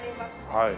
はい。